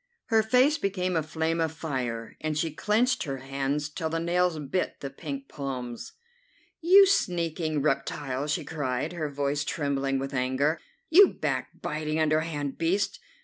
Her face became a flame of fire, and she clenched her hands till the nails bit the pink palms. "You sneaking reptile!" she cried, her voice trembling with anger; "you backbiting, underhand beast!